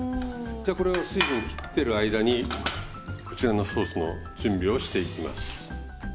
じゃこれは水分切ってる間にこちらのソースの準備をしていきます。